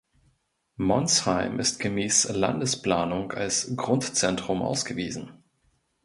Monsheim ist gemäß Landesplanung als Grundzentrum ausgewiesen.